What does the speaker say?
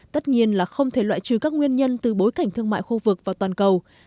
tất nhiên là không thể loại trừ các nguyên nhân từ bối cảnh thương mại khu vực và toàn cầu